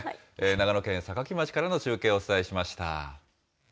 長野県坂城町からの中継をお伝えしました。